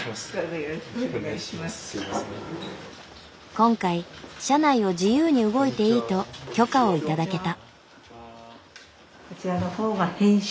今回今回社内を自由に動いていいと許可を頂けた。